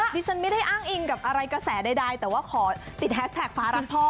ดิฉันไม่ได้อ้างอิงกับอะไรกระแสใดแต่ว่าขอติดแฮสแท็กฟ้ารักพ่อ